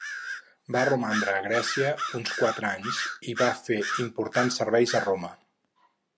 Va romandre a Grècia uns quatre anys i va fer importants serveis a Roma.